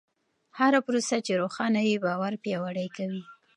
هره پروسه چې روښانه وي، باور پیاوړی کوي.